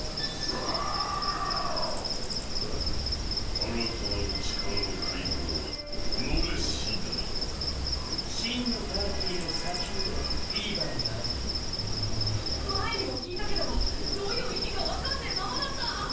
新たなる力の解放はおのれ次第真のパーティの先にフィーバーがある前にも聞いたけどどういう意味か分かんねーままだった！